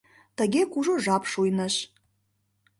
Тыге кужу жап шуйныш.